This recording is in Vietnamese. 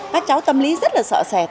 các cháu tâm lý rất là sợ sệt